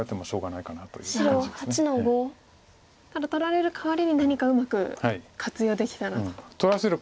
ただ取られるかわりに何かうまく活用できたらと。